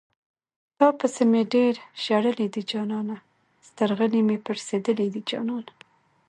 تاپسې مې ډېر ژړلي دي جانانه سترغلي مې پړسېدلي دي جانانه